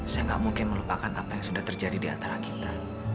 saya gak mungkin melupakan apa yang sudah terjadi di antara kita